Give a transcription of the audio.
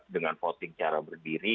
dengan voting cara berdiri